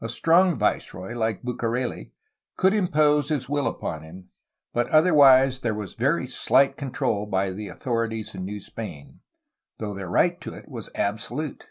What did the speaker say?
A strong viceroy, like Bucareli, could impose his will upon him, but otherwise there was very slight control by the authorities in New Spain, though their right to it was absolute.